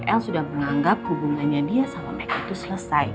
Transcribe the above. el sudah menganggap hubungannya dia sama mike itu selesai